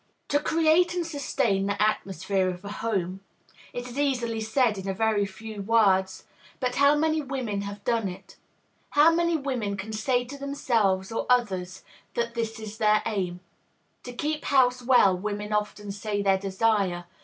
To create and sustain the atmosphere of a home, it is easily said in a very few words; but how many women have done it? How many women can say to themselves or others that this is their aim? To keep house well women often say they desire.